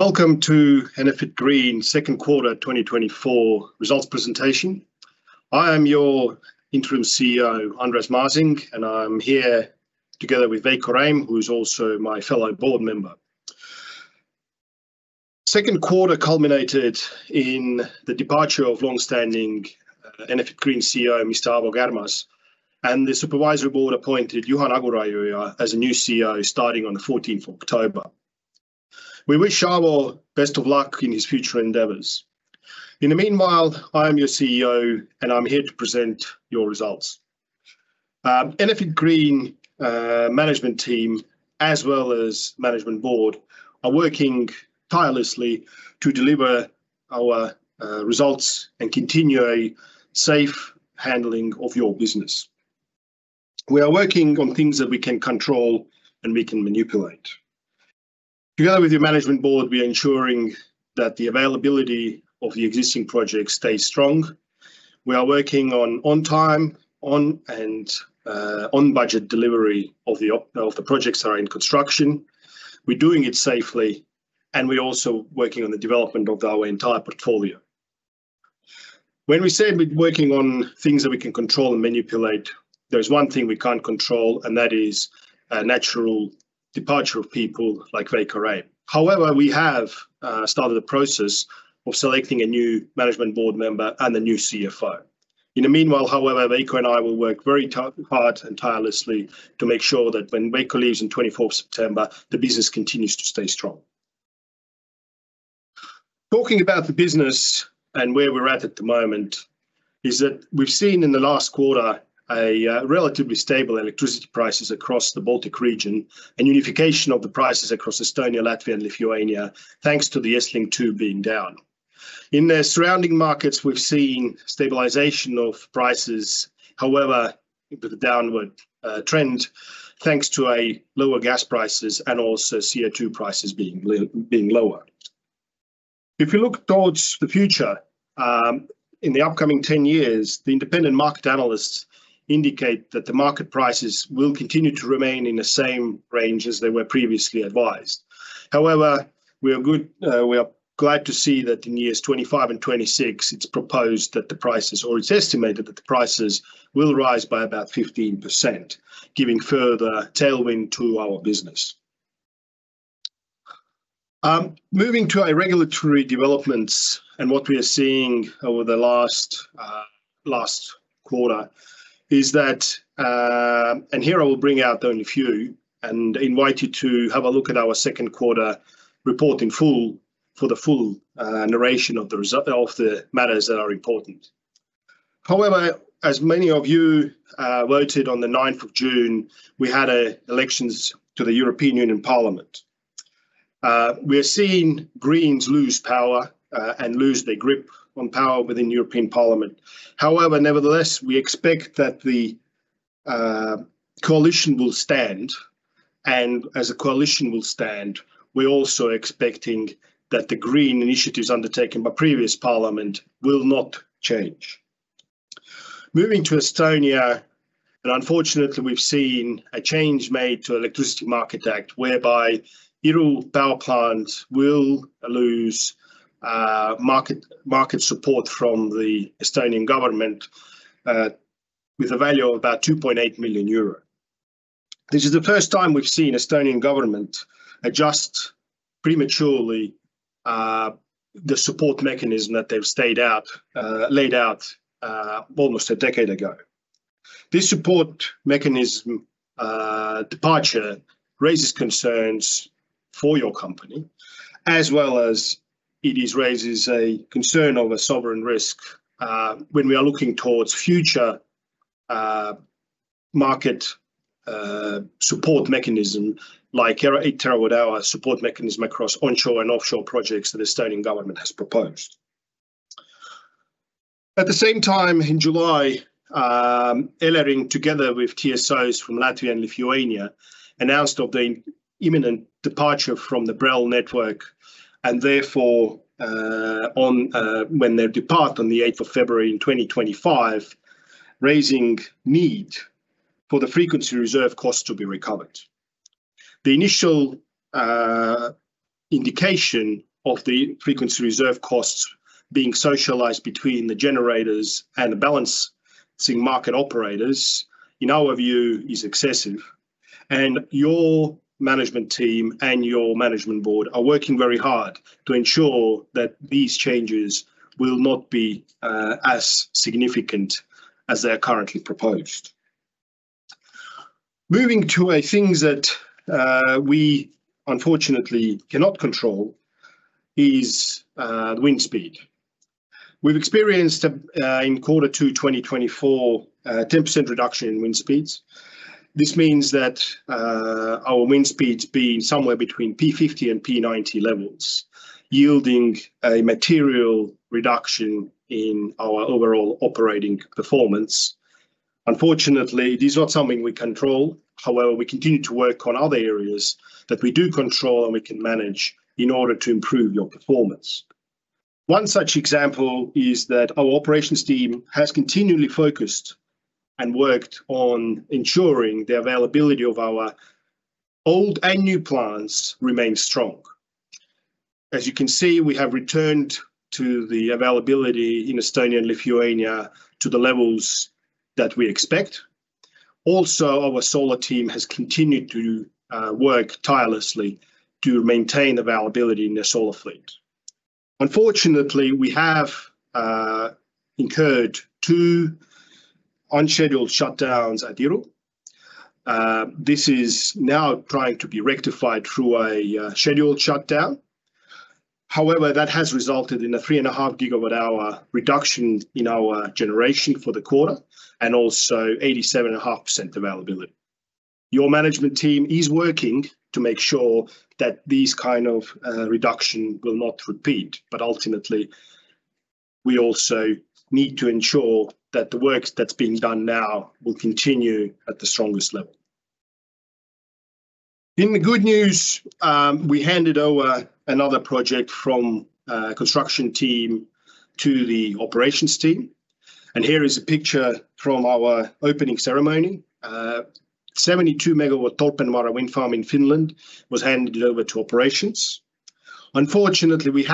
Welcome to Enefit Green's second quarter 2024 results presentation. I am your interim CEO, Andres Maasing, and I'm here together with Veiko Räim, who is also my fellow board member. Second quarter culminated in the departure of longstanding Enefit Green CEO, Mr. Aavo Kärmas, and the supervisory board appointed Juhan Aguraiuja as a new CEO starting on the 14th of October. We wish Aavo best of luck in his future endeavors. In the meanwhile, I am your CEO, and I'm here to present your results. Enefit Green management team, as well as management board, are working tirelessly to deliver our results and continue a safe handling of your business. We are working on things that we can control and we can manipulate. Together with your management board, we are ensuring that the availability of the existing projects stays strong. We are working on on-time, on- and on-budget delivery of the projects that are in construction. We're doing it safely, and we're also working on the development of our entire portfolio. When we say we're working on things that we can control and manipulate, there's one thing we can't control, and that is a natural departure of people like Veiko Räim. However, we have started the process of selecting a new management board member and a new CFO. In the meanwhile, however, Veiko and I will work very hard and tirelessly to make sure that when Veiko leaves on the 24th of September, the business continues to stay strong. Talking about the business and where we're at at the moment is that we've seen in the last quarter relatively stable electricity prices across the Baltic region and unification of the prices across Estonia, Latvia, and Lithuania, thanks to the EstLink 2 being down. In the surrounding markets, we've seen stabilization of prices, however, with a downward trend, thanks to lower gas prices and also CO2 prices being lower. If we look towards the future, in the upcoming 10 years, the independent market analysts indicate that the market prices will continue to remain in the same range as they were previously advised. However, we are glad to see that in years 2025 and 2026, it's proposed that the prices, or it's estimated that the prices will rise by about 15%, giving further tailwind to our business. Moving to regulatory developments and what we are seeing over the last quarter is that, and here I will bring out only a few and invite you to have a look at our second quarter report in full for the full narration of the matters that are important. However, as many of you voted on the 9th of June, we had elections to the European Union Parliament. We are seeing Greens lose power and lose their grip on power within the European Parliament. However, nevertheless, we expect that the coalition will stand, and as a coalition will stand, we're also expecting that the green initiatives undertaken by the previous Parliament will not change. Moving to Estonia, unfortunately, we've seen a change made to the Electricity Market Act whereby Iru power plants will lose market support from the Estonian government with a value of about 2.8 million euro. This is the first time we've seen the Estonian government adjust prematurely the support mechanism that they've laid out almost a decade ago. This support mechanism departure raises concerns for your company, as well as it raises a concern over sovereign risk when we are looking towards future market support mechanism like 8 TWh support mechanism across onshore and offshore projects that the Estonian government has proposed. At the same time, in July, Enefit, together with TSOs from Latvia and Lithuania, announced the imminent departure from the BRELL network and therefore, when they depart on the 8th of February in 2025, raising need for the frequency reserve costs to be recovered. The initial indication of the frequency reserve costs being socialized between the generators and the balancing market operators, in our view, is excessive. Your management team and your management board are working very hard to ensure that these changes will not be as significant as they are currently proposed. Moving to a thing that we unfortunately cannot control is wind speed. We've experienced in quarter two 2024 a 10% reduction in wind speeds. This means that our wind speeds being somewhere between P50 and P90 levels, yielding a material reduction in our overall operating performance. Unfortunately, it is not something we control. However, we continue to work on other areas that we do control and we can manage in order to improve your performance. One such example is that our operations team has continually focused and worked on ensuring the availability of our old and new plants remains strong. As you can see, we have returned to the availability in Estonia and Lithuania to the levels that we expect. Our solar team has continued to work tirelessly to maintain availability in their solar fleet. Unfortunately, we have incurred two unscheduled shutdowns at Iru. This is now trying to be rectified through a scheduled shutdown. However, that has resulted in a 3.5 GWh reduction in our generation for the quarter and also 87.5% availability. Your management team is working to make sure that these kinds of reductions will not repeat, but ultimately, we also need to ensure that the work that's being done now will continue at the strongest level. In the good news, we handed over another project from the construction team to the operations team. Here is a picture from our opening ceremony. A 72 MW Tolpanvaara wind farm in Finland was handed over to operations. Unfortunately, we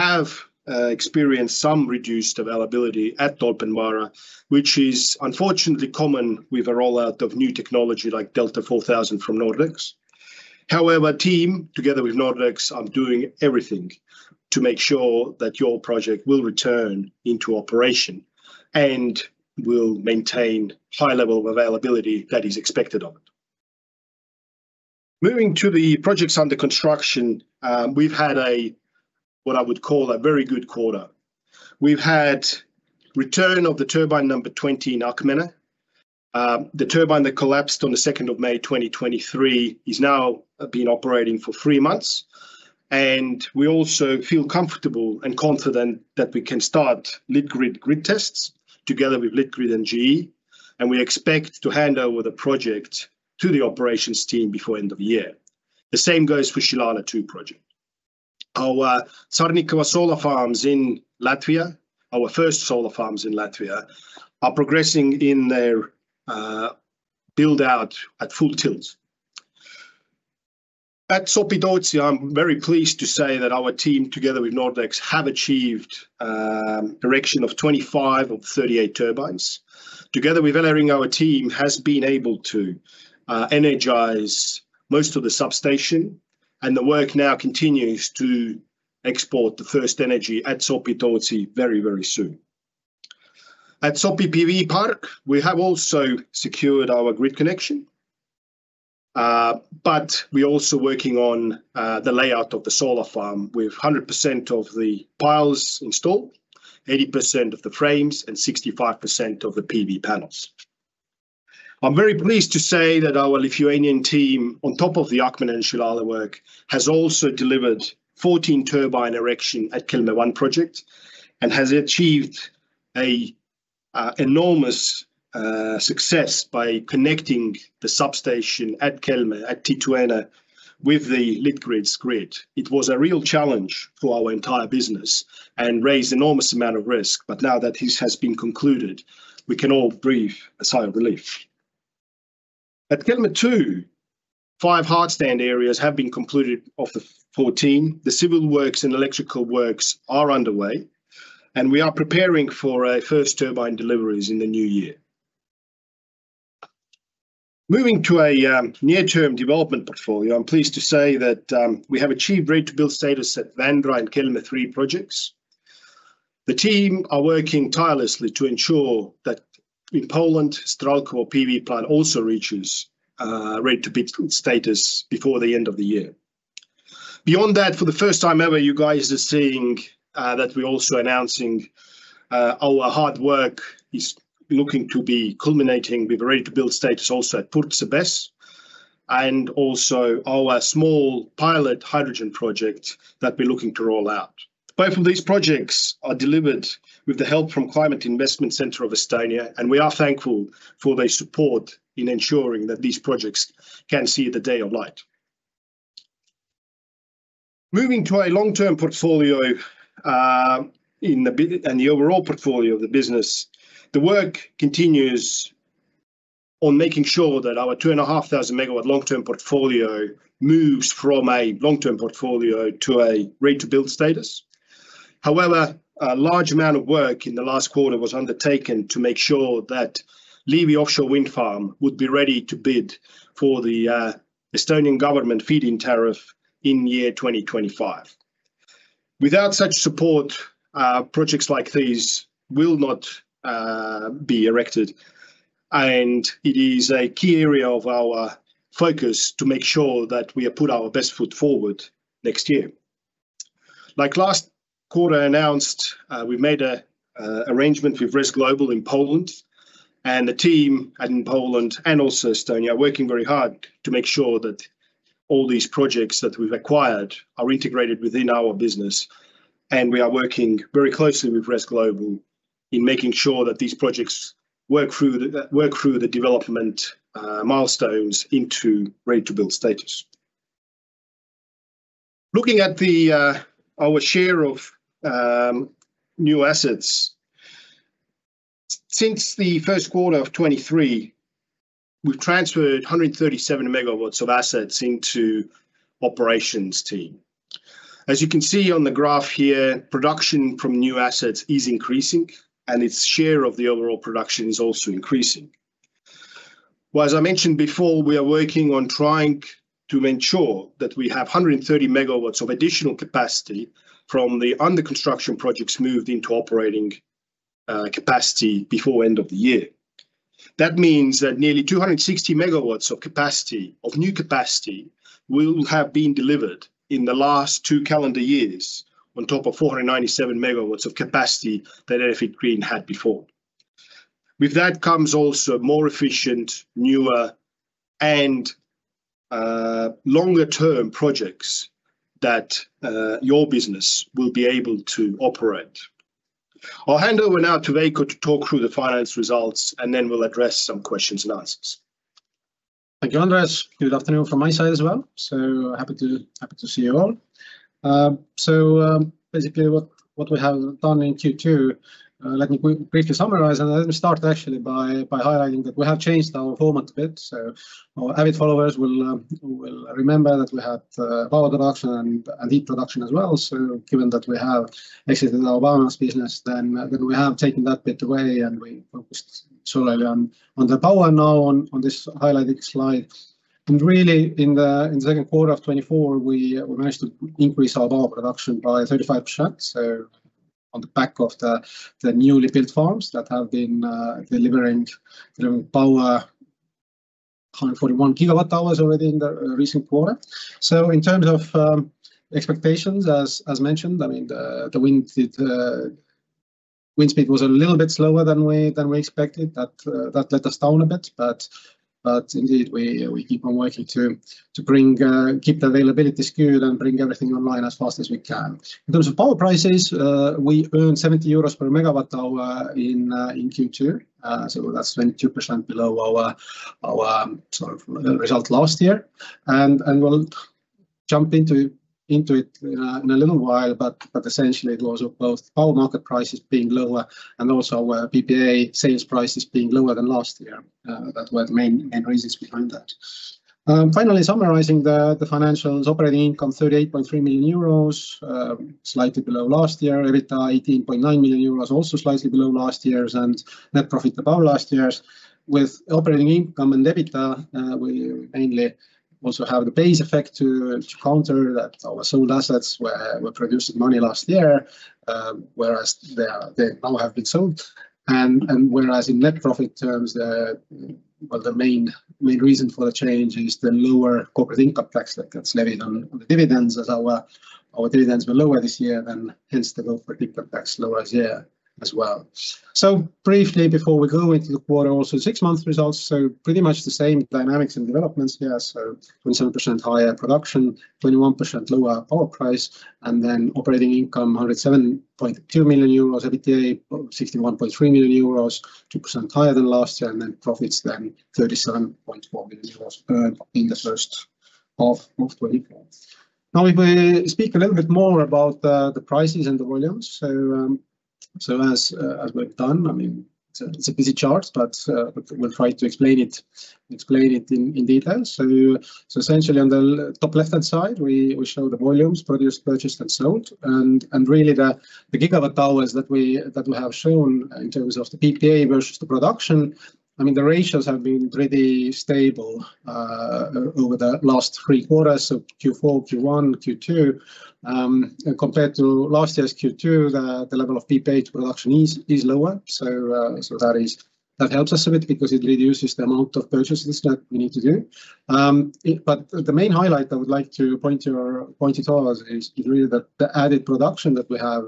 have experienced some reduced availability at Tolpanvaara, which is unfortunately common with a rollout of new technology like Delta 4000 from Nordex. However, the team, together with Nordex, are doing everything to make sure that your project will return into operation and will maintain a high level of availability that is expected of it. Moving to the projects under construction, we've had what I would call a very good quarter. We've had the return of the turbine number 20 in Akmenė. The turbine that collapsed on the 2nd of May 2023 is now being operated for three months. We also feel comfortable and confident that we can start Litgrid grid tests together with Litgrid and GE, and we expect to hand over the project to the operations team before the end of the year. The same goes for the Šilalė 2 project. Our Carnikava solar farms in Latvia, our first solar farms in Latvia, are progressing in their build-out at full tilt. At Sopi-Tootsi, I'm very pleased to say that our team, together with Nordex, have achieved a production of 25 of 38 turbines. Together with Enefit, our team has been able to energize most of the substation, and the work now continues to export the first energy at Sopi-Tootsi very, very soon. At Sopi-Tootsi PV Park, we have also secured our grid connection, but we are also working on the layout of the solar farm with 100% of the piles installed, 80% of the frames, and 65% of the PV panels. I'm very pleased to say that our Lithuanian team, on top of the Akmenė and Šilalė work, has also delivered 14 turbine erections at the Kelmė 1 project and has achieved an enormous success by connecting the substation at Kelmė at Tytuvėnai with the Litgrid's grid. It was a real challenge for our entire business and raised an enormous amount of risk, but now that this has been concluded, we can all breathe a sigh of relief. At Kelmė 2, five hard stand areas have been completed of the 14. The civil works and electrical works are underway, and we are preparing for our first turbine deliveries in the new year. Moving to a near-term development portfolio, I'm pleased to say that we have achieved ready-to-build status at Vändra and Kelmė 3 projects. The team is working tirelessly to ensure that in Poland, the Strzałkowo PV plant also reaches ready-to-build status before the end of the year. Beyond that, for the first time ever, you guys are seeing that we are also announcing our hard work is looking to be culminating with ready-to-build status also at Purtse, and also our small pilot hydrogen project that we're looking to roll out. Both of these projects are delivered with the help from the Environmental Investment Centre of Estonia, and we are thankful for their support in ensuring that these projects can see the light of day. Moving to a long-term portfolio and the overall portfolio of the business, the work continues on making sure that our 2,500 megawatt long-term portfolio moves from a long-term portfolio to a ready-to-build status. However, a large amount of work in the last quarter was undertaken to make sure that Liivi offshore wind farm would be ready to bid for the Estonian government feed-in tariff in year 2025. Without such support, projects like these will not be erected, and it is a key area of our focus to make sure that we put our best foot forward next year. Like last quarter announced, we made an arrangement with RES Global in Poland, and the team in Poland and also Estonia are working very hard to make sure that all these projects that we've acquired are integrated within our business. We are working very closely with RES Global in making sure that these projects work through the development milestones into ready-to-build status. Looking at our share of new assets, since the first quarter of 2023, we've transferred 137 MW of assets into the operations team. As you can see on the graph here, production from new assets is increasing, and its share of the overall production is also increasing. As I mentioned before, we are working on trying to ensure that we have 130 MW of additional capacity from the under-construction projects moved into operating capacity before the end of the year. That means that nearly 260 MW of new capacity will have been delivered in the last two calendar years on top of 497 MW of capacity that Enefit Green had before. With that comes also more efficient, newer, and longer-term projects that your business will be able to operate. I'll hand over now to Veiko to talk through the finance results, and then we'll address some questions and answers. Thank you, Andres. Good afternoon from my side as well. So happy to see you all. So basically, what we have done in Q2, let me briefly summarize and then start actually by highlighting that we have changed our format a bit. So our avid followers will remember that we had power production and heat production as well. So given that we have exited our biomass business, then we have taken that bit away, and we focused solely on the power now on this highlighted slide. And really, in the second quarter of 2024, we managed to increase our power production by 35%. So on the back of the newly built farms that have been delivering power, 141 GWh already in the recent quarter. So in terms of expectations, as mentioned, I mean, the wind speed was a little bit slower than we expected. That let us down a bit, but indeed, we keep on working to keep the availability secured and bring everything online as fast as we can. In terms of power prices, we earned 70 euros per MWh in Q2. So that's 22% below our result last year. And we'll jump into it in a little while, but essentially, it was both power market prices being lower and also our PPA sales prices being lower than last year. That were the main reasons behind that. Finally, summarizing the financials, operating income 38.3 million euros, slightly below last year, EBITDA 18.9 million euros, also slightly below last year's, and net profit above last year's. With operating income and EBITDA, we mainly also have the base effect to counter that our sold assets were producing money last year, whereas they now have been sold. Whereas in net profit terms, the main reason for the change is the lower corporate income tax that's levied on the dividends, as our dividends were lower this year, and hence the corporate income tax lower this year as well. Briefly, before we go into the quarter, also six-month results. Pretty much the same dynamics and developments here. 27% higher production, 21% lower power price, and then operating income 107.2 million euros, EBITDA 61.3 million euros, 2% higher than last year, and then profits then 37.4 million euros in the first half of 2024. Now, if we speak a little bit more about the prices and the volumes. As we've done, I mean, it's a busy chart, but we'll try to explain it in detail. Essentially, on the top left-hand side, we show the volumes produced, purchased, and sold. And really, the gigawatt hours that we have shown in terms of the PPA versus the production, I mean, the ratios have been pretty stable over the last three quarters, so Q4, Q1, Q2. Compared to last year's Q2, the level of PPA to production is lower. So that helps us a bit because it reduces the amount of purchases that we need to do. But the main highlight I would like to point to is really that the added production that we have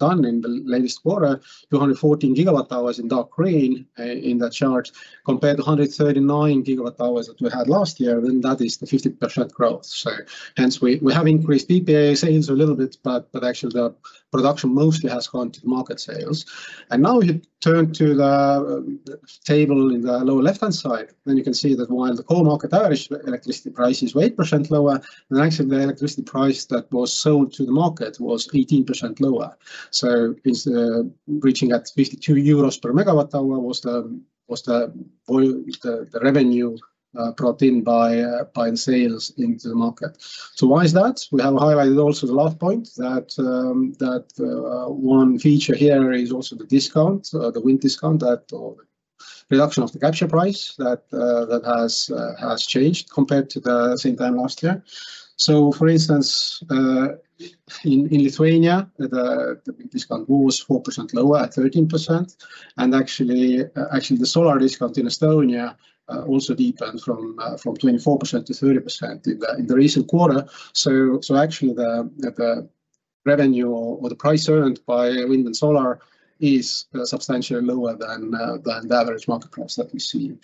done in the latest quarter, 214 GWh in dark green in that chart, compared to 139 GWh that we had last year, then that is the 50% growth. So hence, we have increased PPA sales a little bit, but actually, the production mostly has gone to the market sales. And now, if you turn to the table in the lower left-hand side, then you can see that while the core market average electricity price is 8% lower, then actually, the electricity price that was sold to the market was 18% lower. So reaching at €52 per MWh was the revenue brought in by sales into the market. So why is that? We have highlighted also the last point that one feature here is also the discount, the wind discount, or the reduction of the capture price that has changed compared to the same time last year. So for instance, in Lithuania, the discount was 4% lower at 13%. And actually, the solar discount in Estonia also deepened from 24%-30% in the recent quarter. So actually, the revenue or the price earned by wind and solar is substantially lower than the average market price that we see.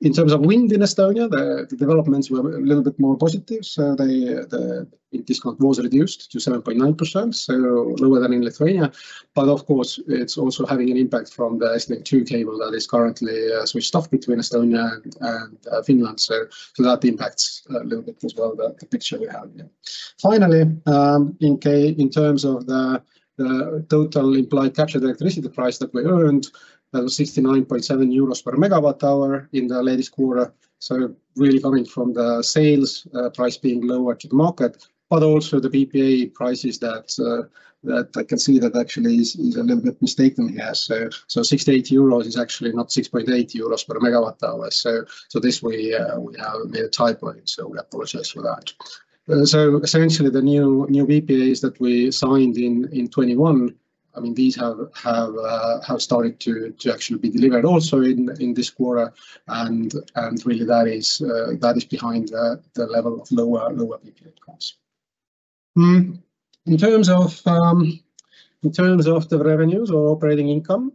In terms of wind in Estonia, the developments were a little bit more positive. So the discount was reduced to 7.9%, so lower than in Lithuania. But of course, it's also having an impact from the EstLink 2 cable that is currently switched off between Estonia and Finland. So that impacts a little bit as well the picture we have here. Finally, in terms of the total implied capture electricity price that we earned, that was €69.7 per MWh in the latest quarter. So really coming from the sales price being lower to the market, but also the PPA prices that I can see that actually is a little bit mistaken here. So €68 is actually not €6.8 per MWh. So this we have made a typo on it. So we apologize for that. So essentially, the new PPAs that we signed in 2021, I mean, these have started to actually be delivered also in this quarter. And really, that is behind the level of lower PPA costs. In terms of the revenues or operating income,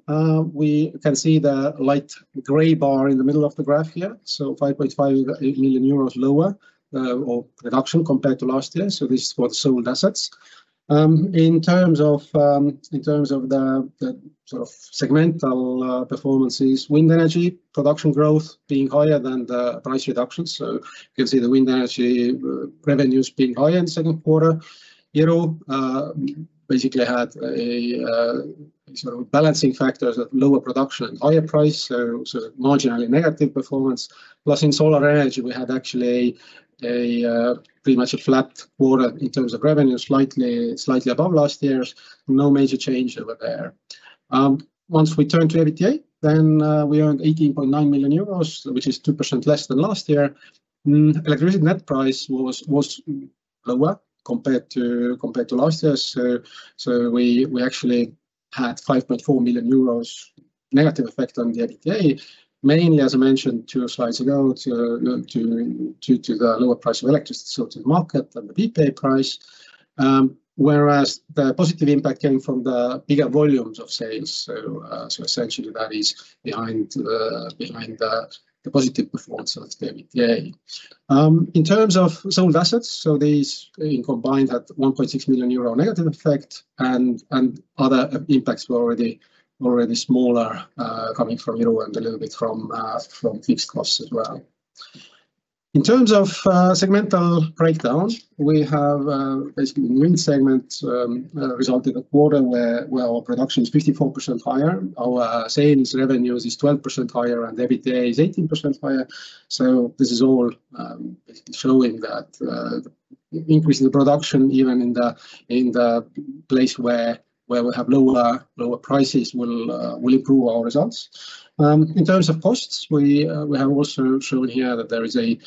we can see the light grey bar in the middle of the graph here. So 5.5 million euros lower or reduction compared to last year. So this is for the sold assets. In terms of the sort of segmental performances, wind energy production growth being higher than the price reductions. So you can see the wind energy revenues being higher in the second quarter. Yellow basically had a sort of balancing factor of lower production and higher price, so marginally negative performance. Plus, in solar energy, we had actually pretty much a flat quarter in terms of revenue, slightly above last year's. No major change over there. Once we turn to EBITDA, then we earned 18.9 million euros, which is 2% less than last year. Electricity net price was lower compared to last year. So we actually had 5.4 million euros negative effect on the EBITDA, mainly, as I mentioned two slides ago, to the lower price of electricity, so to the market and the PPA price. Whereas the positive impact came from the bigger volumes of sales. So essentially, that is behind the positive performance of the EBITDA. In terms of sold assets, so these combined had 1.6 million euro negative effect, and other impacts were already smaller coming from Yellow and a little bit from fixed costs as well. In terms of segmental breakdown, we have basically the wind segment resulted in a quarter where our production is 54% higher. Our sales revenues is 12% higher, and EBITDA is 18% higher. So this is all basically showing that increasing the production, even in the place where we have lower prices, will improve our results. In terms of costs, we have also shown here that there is a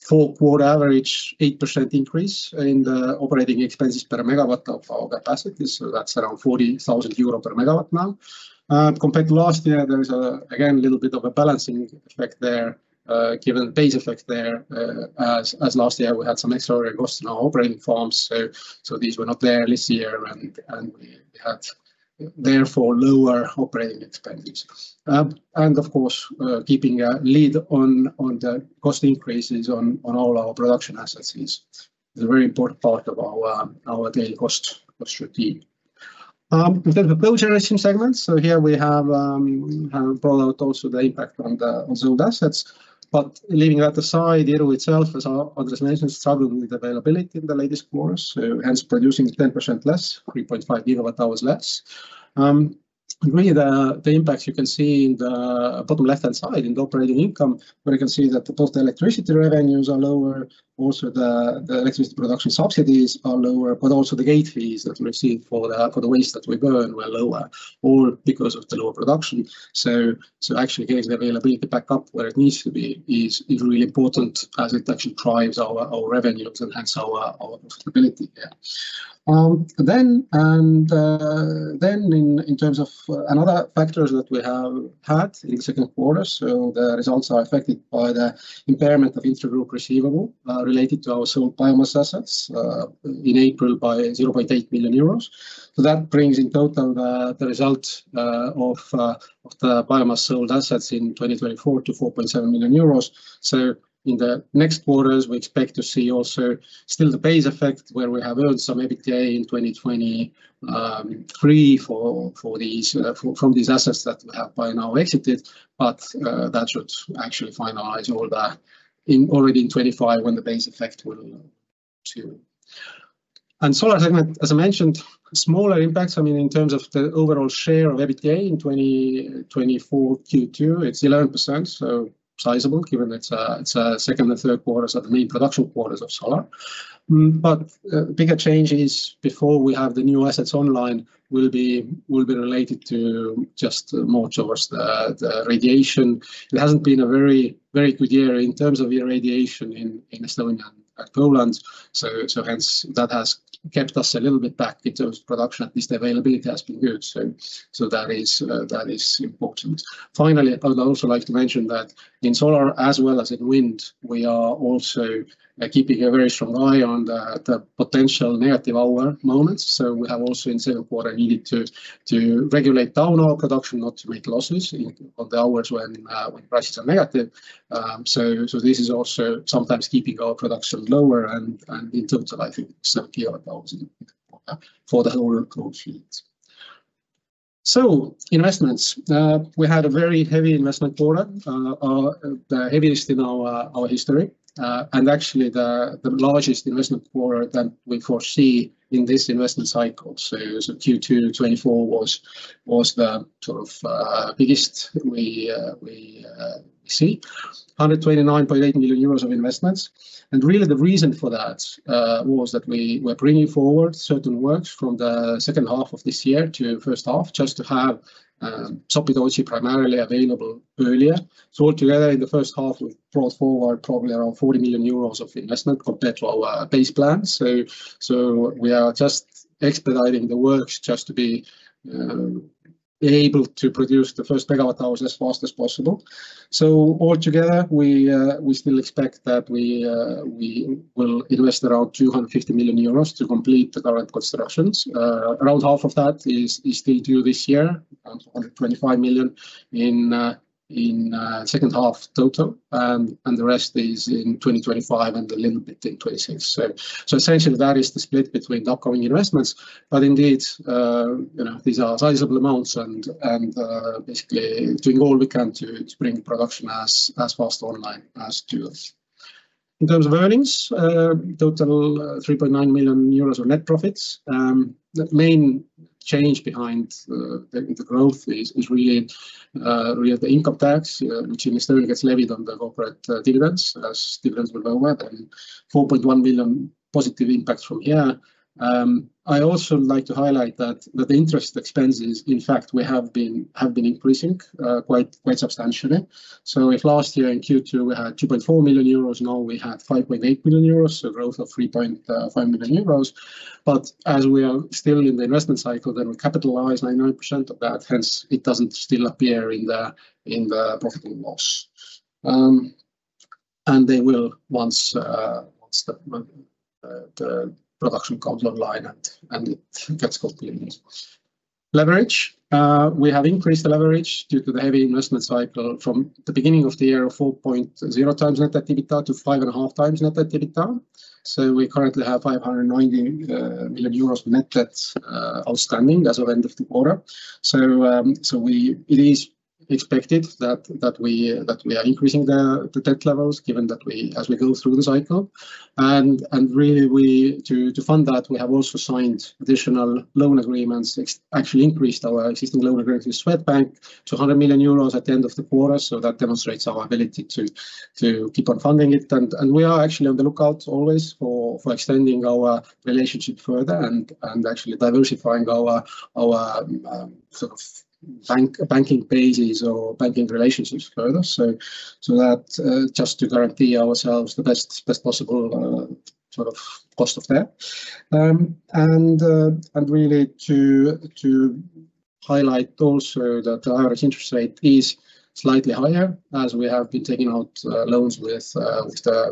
four-quarter average 8% increase in the operating expenses per megawatt of our capacity. So that's around €40,000 per megawatt now. Compared to last year, there is again a little bit of a balancing effect there, given the base effect there, as last year we had some extraordinary costs in our operating farms. So these were not there this year, and we had therefore lower operating expenses. And of course, keeping a lid on the cost increases on all our production assets is a very important part of our daily cost strategy. In terms of cogeneration segments, so here we have brought out also the impact on sold assets. Leaving that aside, Yellow itself, as Andres mentioned, struggled with availability in the latest quarter, so hence producing 10% less, 3.5 GWh less. And really, the impacts you can see in the bottom left-hand side in the operating income, where you can see that both the electricity revenues are lower, also the electricity production subsidies are lower, but also the gate fees that we receive for the waste that we burn were lower, all because of the lower production. Actually, getting the availability back up where it needs to be is really important, as it actually drives our revenues and hence our profitability here. In terms of another factor that we have had in the second quarter, so the results are affected by the impairment of intergroup receivable related to our sold biomass assets in April by 0.8 million euros. So that brings in total the result of the biomass sold assets in 2024 to 4.7 million euros. So in the next quarters, we expect to see also still the base effect where we have earned some EBITDA in 2023 from these assets that we have by now exited, but that should actually finalize already in 2025 when the base effect will assume. And solar segment, as I mentioned, smaller impacts, I mean, in terms of the overall share of EBITDA in 2024 Q2, it's 11%, so sizable, given it's a second and third quarters of the main production quarters of solar. But the bigger changes before we have the new assets online will be related to just more towards the radiation. It hasn't been a very good year in terms of irradiation in Estonia and Poland. So hence, that has kept us a little bit back in terms of production. At least the availability has been good. So that is important. Finally, I would also like to mention that in solar as well as in wind, we are also keeping a very strong eye on the potential negative hour moments. So we have also in the second quarter needed to regulate down our production not to make losses on the hours when prices are negative. So this is also sometimes keeping our production lower and in total, I think, 70 for the whole cold fleet. So investments, we had a very heavy investment quarter, the heaviest in our history, and actually the largest investment quarter that we foresee in this investment cycle. So Q2 2024 was the sort of biggest we see, 129.8 million euros of investments. And really, the reason for that was that we were bringing forward certain works from the second half of this year to first half just to have Sopi-Tootsi primarily available earlier. So altogether, in the first half, we brought forward probably around €40 million of investment compared to our base plan. So we are just expediting the works just to be able to produce the first megawatt hours as fast as possible. So altogether, we still expect that we will invest around €250 million to complete the current constructions. Around half of that is still due this year, €125 million in second half total, and the rest is in 2025 and a little bit in 2026. So essentially, that is the split between the upcoming investments. But indeed, these are sizable amounts and basically doing all we can to bring production as fast online as to us. In terms of earnings, total 3.9 million euros of net profits. The main change behind the growth is really the income tax, which in Estonia gets levied on the corporate dividends, as dividends will lower, then 4.1 million positive impact from here. I also like to highlight that the interest expenses, in fact, we have been increasing quite substantially. So if last year in Q2 we had 2.4 million euros, now we had 5.8 million euros, so growth of 3.5 million euros. But as we are still in the investment cycle, then we capitalize 99% of that. Hence, it doesn't still appear in the profit and loss. And they will once the production comes online and it gets completed. Leverage, we have increased the leverage due to the heavy investment cycle from the beginning of the year of 4.0x net Net Debt / EBITDA to 5.5x Net Debt / EBITDA. So we currently have 590 million euros net debt outstanding as of end of the quarter. So it is expected that we are increasing the debt levels given that as we go through the cycle. And really, to fund that, we have also signed additional loan agreements, actually increased our existing loan agreements with Swedbank to 100 million euros at the end of the quarter. So that demonstrates our ability to keep on funding it. And we are actually on the lookout always for extending our relationship further and actually diversifying our sort of banking bases or banking relationships further. So that just to guarantee ourselves the best possible sort of cost of capital. And really to highlight also that the average interest rate is slightly higher as we have been taking out loans with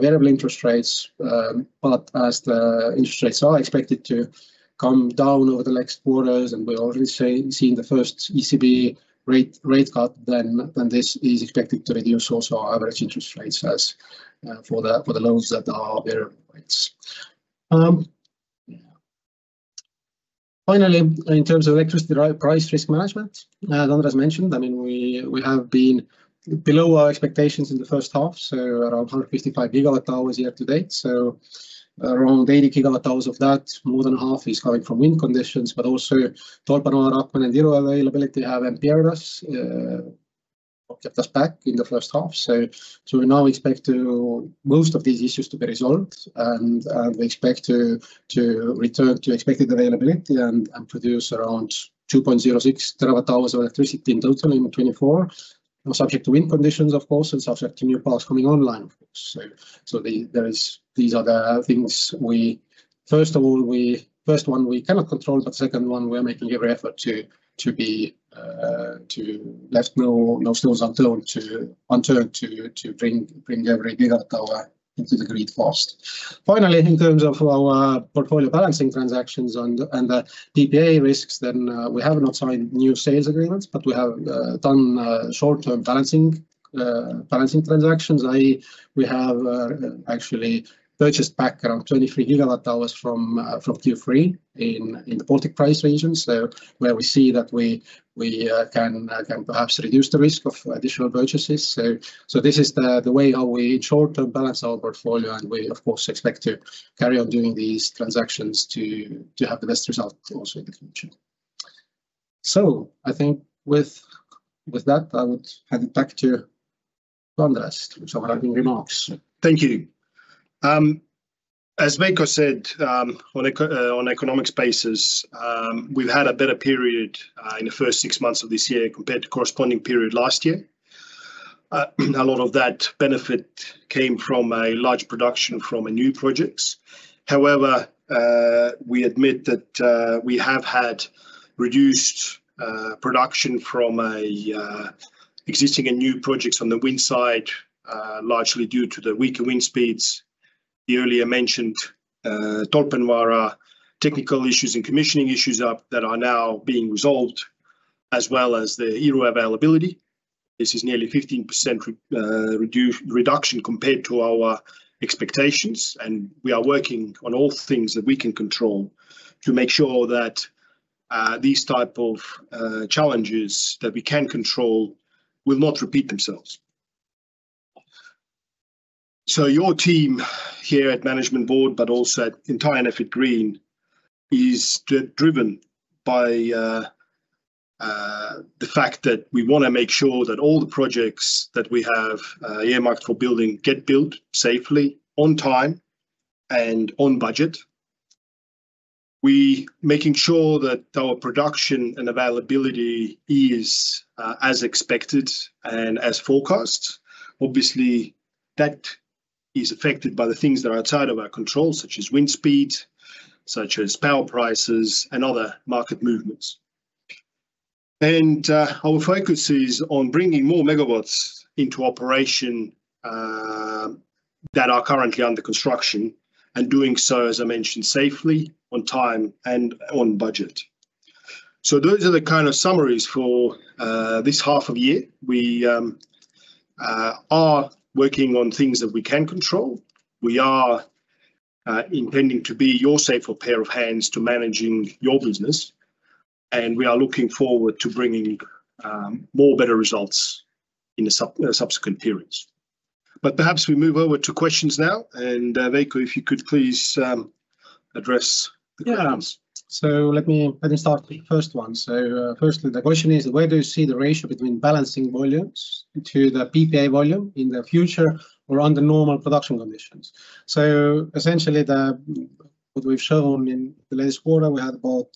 variable interest rates. But as the interest rates are expected to come down over the next quarters and we're already seeing the first ECB rate cut, then this is expected to reduce also our average interest rates for the loans that are variable rates. Finally, in terms of electricity price risk management, Andres mentioned, I mean, we have been below our expectations in the first half, so around 155 GWh year to date. So around 80 GWh of that, more than half is coming from wind conditions, but also Tolpanvaara up and zero availability have empirically kept us back in the first half. So we now expect most of these issues to be resolved, and we expect to return to expected availability and produce around 2.06 TWh of electricity in total in 2024, subject to wind conditions, of course, and subject to new powers coming online, of course. So these are the things we, first of all, first one, we cannot control, but second one, we are making every effort to let no stones unturned to bring every GWh into the grid fast. Finally, in terms of our portfolio balancing transactions and the PPA risks, then we have not signed new sales agreements, but we have done short-term balancing transactions. We have actually purchased back around 23 GWh from Q3 in the Baltic price region, so where we see that we can perhaps reduce the risk of additional purchases. So this is the way how we ensure to balance our portfolio, and we, of course, expect to carry on doing these transactions to have the best result also in the future. So I think with that, I would hand it back to Andres with some remarks. Thank you. As Veiko said, on economic spaces, we've had a better period in the first six months of this year compared to corresponding period last year. A lot of that benefit came from a large production from new projects. However, we admit that we have had reduced production from existing and new projects on the wind side, largely due to the weaker wind speeds. The earlier mentioned torpedoing technical issues and commissioning issues that are now being resolved, as well as the Yellow availability. This is nearly 15% reduction compared to our expectations, and we are working on all things that we can control to make sure that these types of challenges that we can control will not repeat themselves. So your team here at Management Board, but also at entire Enefit Green, is driven by the fact that we want to make sure that all the projects that we have earmarked for building get built safely on time and on budget. We're making sure that our production and availability is as expected and as forecast. Obviously, that is affected by the things that are outside of our control, such as wind speeds, such as power prices, and other market movements. And our focus is on bringing more megawatts into operation that are currently under construction and doing so, as I mentioned, safely on time and on budget. So those are the kind of summaries for this half of year. We are working on things that we can control. We are intending to be your safer pair of hands to managing your business, and we are looking forward to bringing more better results in the subsequent periods. But perhaps we move over to questions now. And Veiko, if you could please address the questions. Yeah. So let me start with the first one. So firstly, the question is, where do you see the ratio between balancing volumes to the PPA volume in the future or under normal production conditions? So essentially, what we've shown in the latest quarter, we had about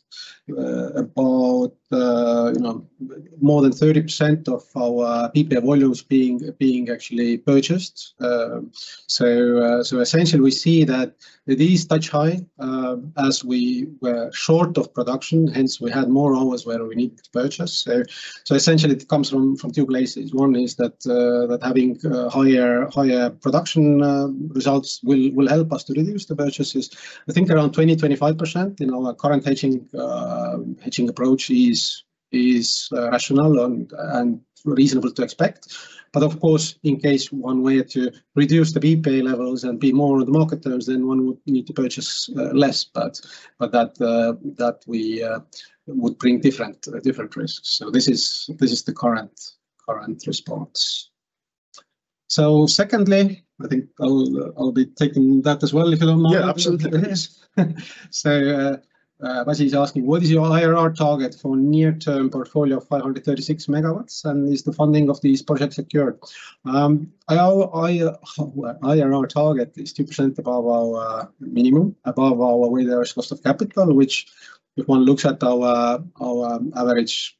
more than 30% of our PPA volumes being actually purchased. So essentially, we see that these touch high as we were short of production, hence we had more hours where we needed to purchase. So essentially, it comes from two places. One is that having higher production results will help us to reduce the purchases. I think around 20%-25% in our current hedging approach is rational and reasonable to expect. But of course, in case one were to reduce the PPA levels and be more on the market terms, then one would need to purchase less, but that would bring different risks. So this is the current response. So secondly, I think I'll be taking that as well, if you don't mind. Yeah, absolutely. So Vasiliy is asking, what is your IRR target for a near-term portfolio of 536 MW? And is the funding of these projects secured? Our IRR target is 2% above our minimum, above our weighted average cost of capitall, which if one looks at our average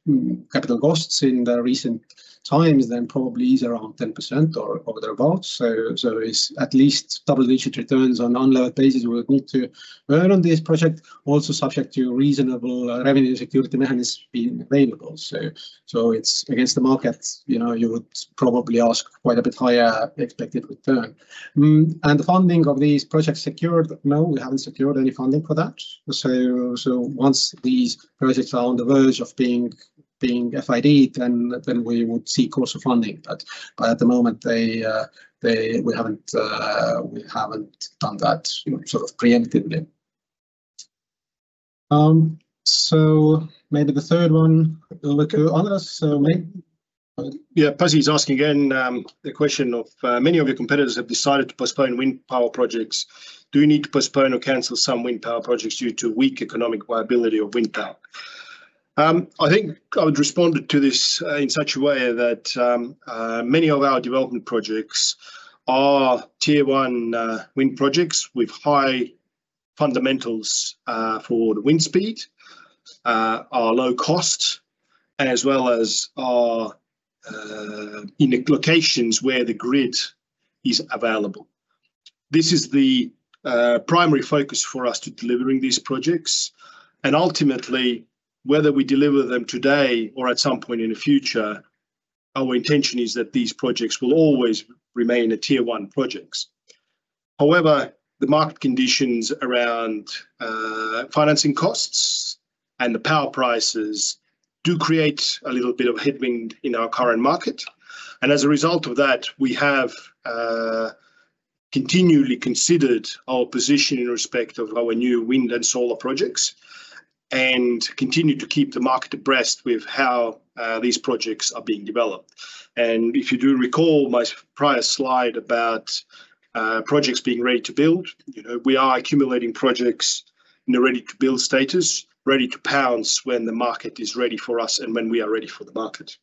capital costs in the recent times, then probably is around 10% or thereabouts. So it's at least double-digit returns on unlevered basis we would need to earn on this project, also subject to reasonable revenue security mechanisms being available. So it's against the market, you would probably ask for quite a bit higher expected return. And the funding of these projects secured? No, we haven't secured any funding for that. So once these projects are on the verge of being FID, then we would seek also funding. But at the moment, we haven't done that sort of preemptively. So maybe the third one. Over to Andres. Yeah, Vasiliy is asking again the question of many of your competitors have decided to postpone wind power projects. Do you need to postpone or cancel some wind power projects due to weak economic viability of wind power? I think I would respond to this in such a way that many of our development projects are tier one wind projects with high fundamentals for the wind speed, are low cost, as well as are in locations where the grid is available. This is the primary focus for us to delivering these projects. And ultimately, whether we deliver them today or at some point in the future, our intention is that these projects will always remain tier one projects. However, the market conditions around financing costs and the power prices do create a little bit of headwind in our current market. And as a result of that, we have continually considered our position in respect of our new wind and solar projects and continue to keep the market abreast with how these projects are being developed. If you do recall my prior slide about projects being ready-to-build, we are accumulating projects in the ready-to-build status, ready-to-pounce when the market is ready for us and when we are ready for the market.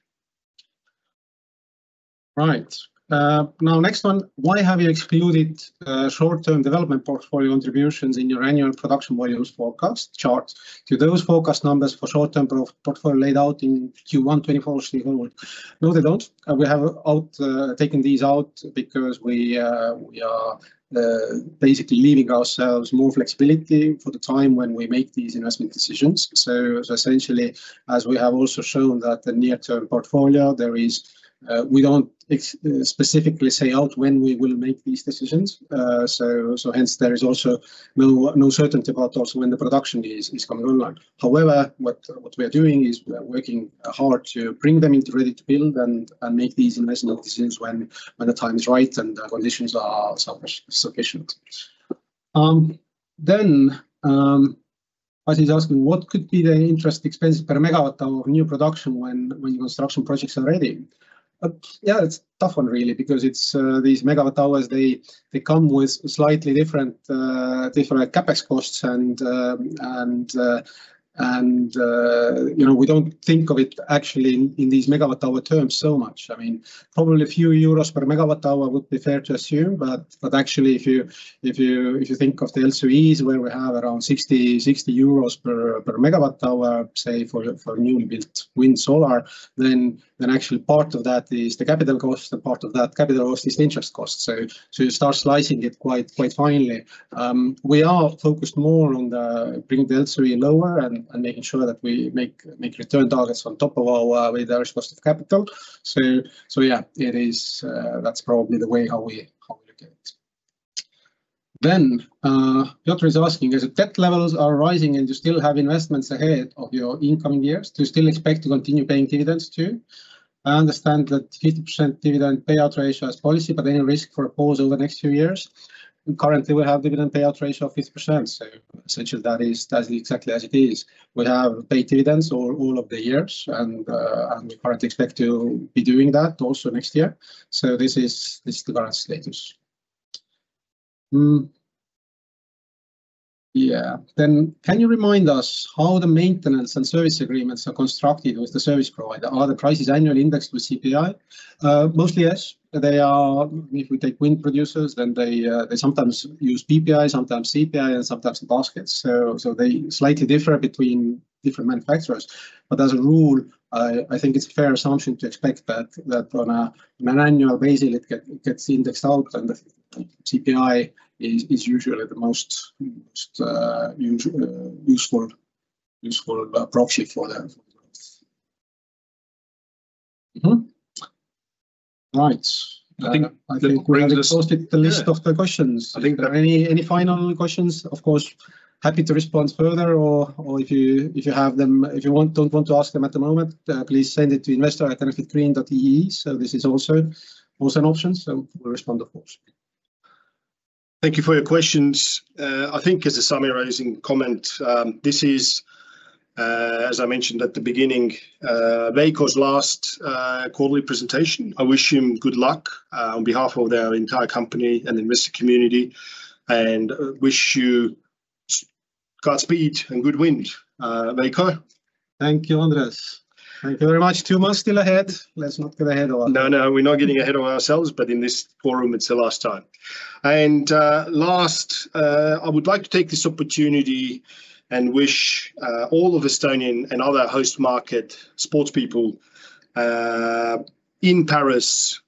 Right. Now, next one, why have you excluded short-term development portfolio contributions in your annual production volumes forecast chart? Do those forecast numbers for short-term portfolio laid out in Q1 2024, 2024? No, they don't. We have taken these out because we are basically leaving ourselves more flexibility for the time when we make these investment decisions. So essentially, as we have also shown that the near-term portfolio, we don't specifically say out when we will make these decisions. So hence, there is also no certainty about also when the production is coming online. However, what we are doing is we are working hard to bring them into ready-to-build and make these investment decisions when the time is right and the conditions are sufficient. Then Pasiliy is asking, what could be the interest expense per megawatt hour of new production when construction projects are ready? Yeah, it's a tough one really because these megawatt hours, they come with slightly different CapEx costs. And we don't think of it actually in these megawatt hour terms so much. I mean, probably a few EUR per megawatt hour would be fair to assume. But actually, if you think of the LCEs where we have around 60 euros per megawatt hour, say, for newly built wind solar, then actually part of that is the capital cost and part of that capital cost is the interest cost. So you start slicing it quite finely. We are focused more on bringing the LCE lower and making sure that we make return targets on top of our WACC. So yeah, that's probably the way how we look at it. Then Piotr is asking, as the debt levels are rising and you still have investments ahead of your incoming years, do you still expect to continue paying dividends too? I understand that 50% dividend payout ratio is policy, but any risk for a pause over the next few years? Currently, we have a dividend payout ratio of 50%. So essentially, that is exactly as it is. We have paid dividends all of the years, and we currently expect to be doing that also next year. So this is the current status. Yeah. Then can you remind us how the maintenance and service agreements are constructed with the service provider? Are the prices annually indexed with CPI? Mostly yes. If we take wind producers, then they sometimes use PPI, sometimes CPI, and sometimes baskets. So they slightly differ between different manufacturers. But as a rule, I think it's a fair assumption to expect that on an annual basis, it gets indexed out, and the CPI is usually the most useful proxy for them. Right. I think we're almost at the end of the list of the questions. I think there are any final questions, of course, happy to respond further. Or if you have them, if you don't want to ask them at the moment, please send it to investor@enefitgreen.ee. So this is also an option. So we'll respond, of course. Thank you for your questions. I think as a summarizing comment, this is, as I mentioned at the beginning, Veiko's last quarterly presentation. I wish him good luck on behalf of their entire company and investor community and wish you Godspeed and good wind, Veiko. Thank you, Andres. Thank you very much. Two months still ahead. Let's not get ahead of ourselves. No, no, we're not getting ahead of ourselves, but in this quorum, it's the last time. And last, I would like to take this opportunity and wish all of Estonian and other host market sports people in Paris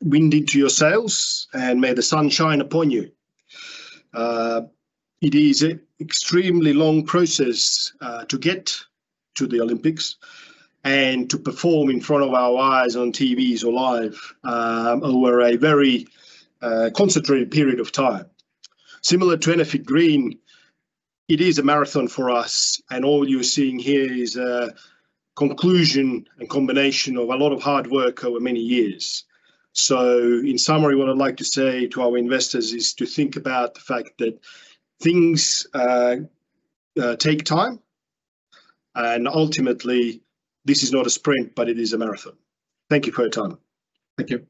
wind into your sails and may the sun shine upon you. It is an extremely long process to get to the Olympics and to perform in front of our eyes on TVs or live over a very concentrated period of time. Similar to Enefit Green, it is a marathon for us, and all you're seeing here is a conclusion and combination of a lot of hard work over many years. In summary, what I'd like to say to our investors is to think about the fact that things take time, and ultimately, this is not a sprint, but it is a marathon. Thank you for your time. Thank you.